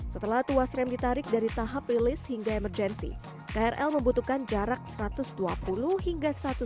setelah tuas rem ditarik dari terbang pengereman krl dilakukan secara bertahap hingga emergency